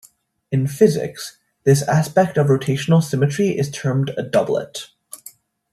In physics, this aspect of rotational symmetry is termed a doublet.